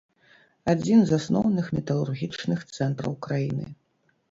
Адзін з асноўных металургічных цэнтраў краіны.